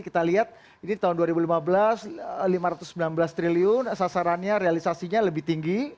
kita lihat ini tahun dua ribu lima belas lima ratus sembilan belas triliun sasarannya realisasinya lebih tinggi